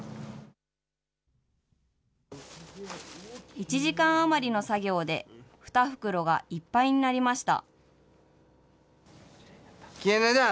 １時間余りの作業で、２袋がいっぱいになりました。